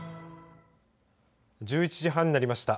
１１時半になりました。